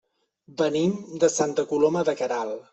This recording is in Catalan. Venim de Santa Coloma de Queralt.